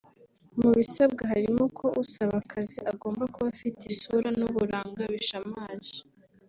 mu bisabwa harimo ko usaba akazi agomba kuba afite isura n’uburanga bishamaje